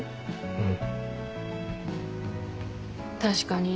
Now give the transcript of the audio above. うん。